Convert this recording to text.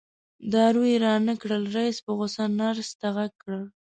دارو یې رانه کړل رئیس په غوسه نرس ته غږ کړ.